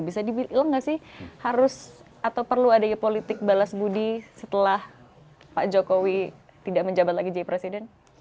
bisa dibilang nggak sih harus atau perlu adanya politik balas budi setelah pak jokowi tidak menjabat lagi jadi presiden